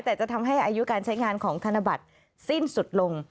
แต่จะทำให้อายุการใช้งานของธนบัตรสิ้นสุดลง